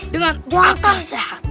dengan akar sehat